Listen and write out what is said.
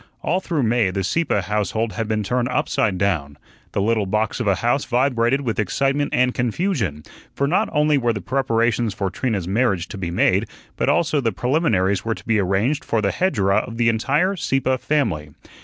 All through May the Sieppe household had been turned upside down. The little box of a house vibrated with excitement and confusion, for not only were the preparations for Trina's marriage to be made, but also the preliminaries were to be arranged for the hegira of the entire Sieppe family.